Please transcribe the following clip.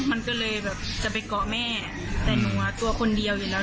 มันก็เลยแบบจะไปเกาะแม่แต่หนูอ่ะตัวคนเดียวอยู่แล้ว